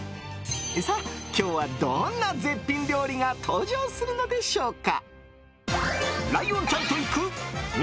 今日はどんな絶品料理が登場するのでしょうか。